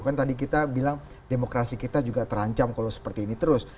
kan tadi kita bilang demokrasi kita juga terancam kalau seperti ini terus